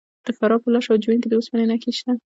د فراه په لاش او جوین کې د وسپنې نښې شته.